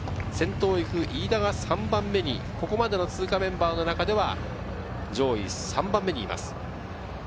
先頭を行く飯田が３番目にここまでの通過メンバーの中では上位３番目にいます。